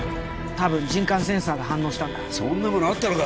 多分人感センサーが反応したんだそんなものあったのか？